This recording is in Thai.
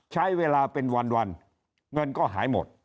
ใช้เวลาเป็นวันเงินก็หายหมด